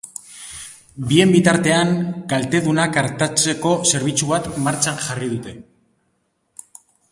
Bien bitartean, kaltedunak artatzeko zerbitzu bat martxan jarri dute.